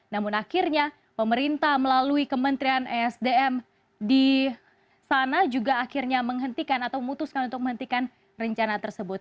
namun akhirnya pemerintah melalui kementerian esdm di sana juga akhirnya menghentikan atau memutuskan untuk menghentikan rencana tersebut